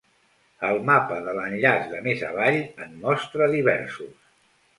El mapa de l"enllaç de més avall en mostra diversos.